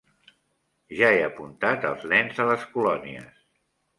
Ja he apuntat els nens a les colònies.